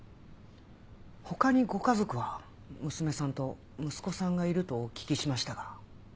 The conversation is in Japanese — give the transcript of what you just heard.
他にご家族は娘さんと息子さんがいるとお聞きしましたが。